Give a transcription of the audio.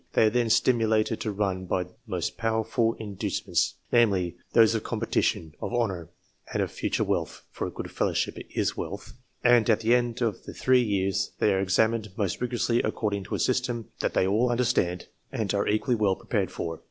They are then stimulated to run by the most powerful inducements, namely, those of competition, of honour, and of future wealth (for a good fellowship is wealth) ; and at the end of the three years they are examined most rigorously according to a system that they all understand and are equally well prepared for.